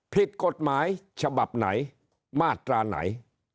ผิดกฎหมายฉบับไหนมาตราไหน